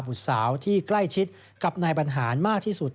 สาวที่ใกล้ชิดกับนายบรรหารมากที่สุด